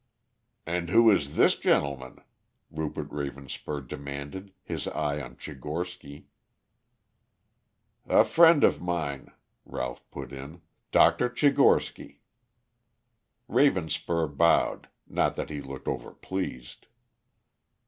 "And who is this gentleman?" Rupert Ravenspur demanded, his eye on Tchigorsky. "A friend of mine," Ralph put in, "Dr. Tchigorsky." Ravenspur bowed, not that he looked overpleased.